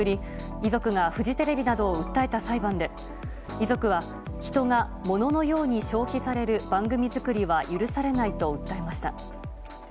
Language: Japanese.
遺族がフジテレビなどを訴えた裁判で遺族は、人がモノのように消費される番組作りは許されないと訴えました。